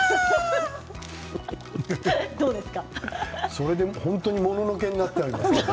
これで本当にもののけになっちゃいますけど。